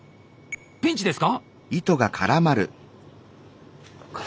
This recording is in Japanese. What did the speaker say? ピンチですか？